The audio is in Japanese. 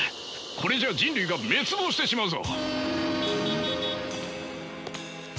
これじゃあ人類が滅亡してしまうぞ。